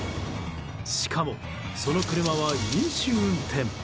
しかも、その車は飲酒運転。